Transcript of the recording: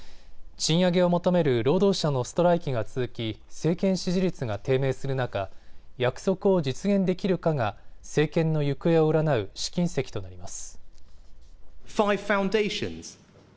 賃上げを求める労働者のストライキが続き、政権支持率が低迷する中、約束を実現できるかが政権の行方を占う試金石となります。